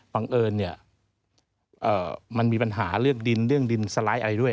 บังเอิญเนี่ยมันมีปัญหาเรื่องดินเรื่องดินสไลด์อะไรด้วย